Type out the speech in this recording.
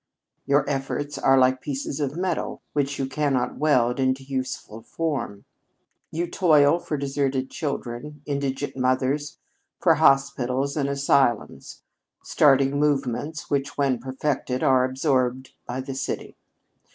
Your efforts are like pieces of metal which you cannot weld into useful form. You toil for deserted children, indigent mothers, for hospitals and asylums, starting movements which, when perfected, are absorbed by the city.